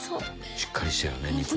しっかりしてるね肉も。